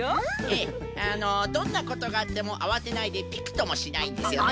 ええどんなことがあってもあわてないでピクともしないんですよね。